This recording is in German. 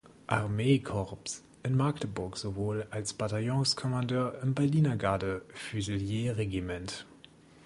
Armee-Korps in Magdeburg sowie als Bataillonskommandeur im Berliner Garde-Füsilier-Regiment.